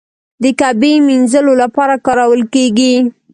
د کعبې مینځلو لپاره کارول کیږي.